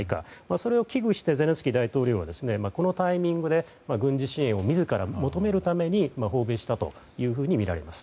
それを危惧してゼレンスキー大統領はこのタイミングで軍事支援を自ら求めるために訪米したというふうにみられます。